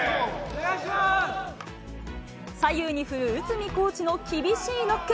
左右に振る内海コーチの厳しいノック。